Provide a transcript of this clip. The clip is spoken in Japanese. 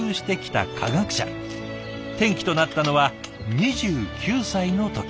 転機となったのは２９歳の時。